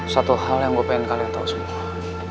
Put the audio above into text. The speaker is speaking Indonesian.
satu hal yang gue pengen kalian tahu semua